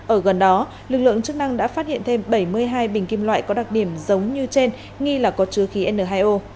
ở gần đó lực lượng chức năng đã phát hiện thêm bảy mươi hai bình kim loại có đặc điểm giống như trên nghi là có chứa khí n hai o